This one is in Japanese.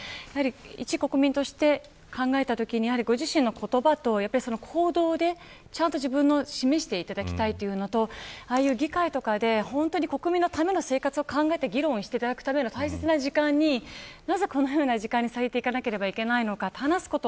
一国民として考えたときにご自身の言葉と行動で示していただきたいというのと議会とかで国民の生活を考えて議論していただくための時間になぜこのようなものに時間を割かなければいけないのか。